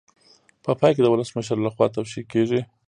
په پای کې د ولسمشر لخوا توشیح کیږي.